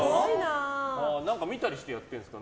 見たりしてやってるんですか